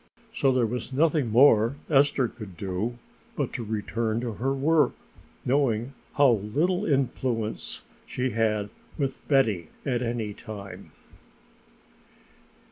So there was nothing more for Esther to do but to return to her work, knowing how little influence she had with Betty at any time.